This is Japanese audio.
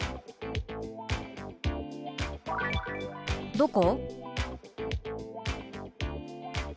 「どこ？」。